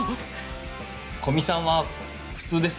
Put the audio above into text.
古見さんは普通です。